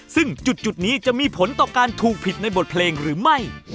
ซึ่งจุดนี้จะมีผลต่อการถูกผิดในบทเพลงหรือไม่